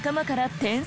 天才。